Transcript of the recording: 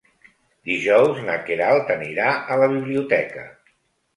Dijous na Queralt anirà a la biblioteca.